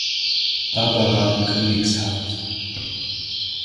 Barbara“ in Königshardt.